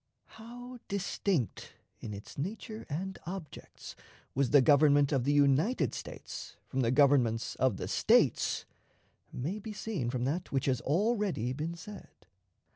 How distinct in its nature and objects was the Government of the United States from the governments of the States, may be seen from that which has already been said.